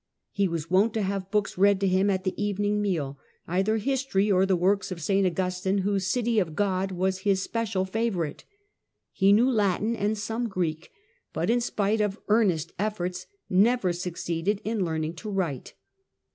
He was wont to have books read to him at the evening meal — either history or the works of St. Augustine, whose City of God was his special favourite. He knew Latin and some Greek, but in spite of earnest efforts never succeeded in learning to write.